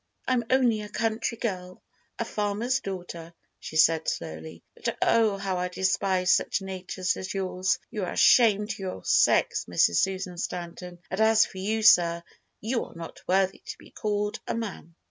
"I'm only a country girl—a farmer's daughter," she said slowly, "but, oh, how I despise such natures as yours! You are a shame to your sex, Mrs. Susan Stanton, and as for you, sir, you are not worthy to be called a man."